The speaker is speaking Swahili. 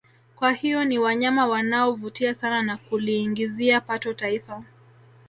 Kwa hiyo ni wanyama wanao vutia sana na kuliingizia pato taifa